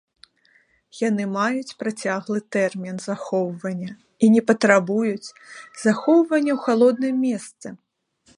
Яны маюць працяглы тэрмін захоўвання і не патрабуюць захоўвання ў халодным месцы.